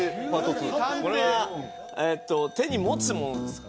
２これは手に持つものですか？